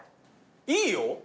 いいよ！